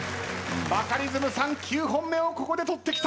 バカリズムさん９本目をここで取ってきた！